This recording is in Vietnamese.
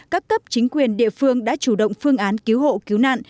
các cấp chính quyền địa phương đã chủ động phương án cứu hộ cứu nạn